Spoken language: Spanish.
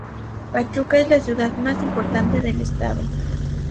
Pachuca es la ciudad más importante del estado.